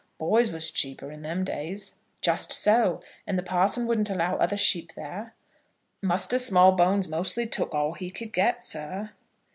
Boys was cheaper in them days." "Just so; and the parson wouldn't allow other sheep there?" "Muster Smallbones mostly took all he could get, sir."